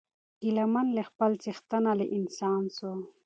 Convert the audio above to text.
ګیله من له خپل څښتنه له انسان سو